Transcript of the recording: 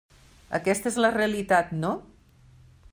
Aquesta és la realitat, no?